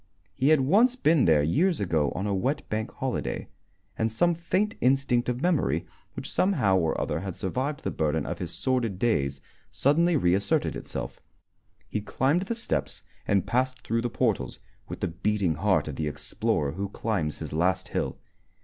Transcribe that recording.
He had once been there years ago on a wet Bank Holiday, and some faint instinct of memory which somehow or other had survived the burden of his sordid days suddenly reasserted itself. He climbed the steps and passed through the portals with the beating heart of the explorer who climbs his last hill.